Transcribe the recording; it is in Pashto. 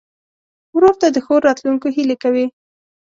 ورور ته د ښو راتلونکو هیلې کوې.